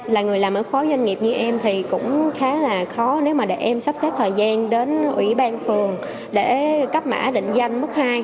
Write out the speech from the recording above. là người làm ở khối doanh nghiệp như em thì cũng khá là khó nếu mà để em sắp xếp thời gian đến ủy ban phường để cấp mã định danh mức hai